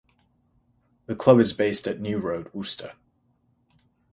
The club is based at New Road, Worcester.